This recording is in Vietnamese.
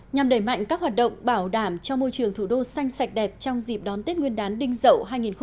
nhằm đẩy mạnh các hoạt động bảo đảm cho môi trường thủ đô xanh sạch đẹp trong dịp đón tết nguyên đán đinh dậu hai nghìn hai mươi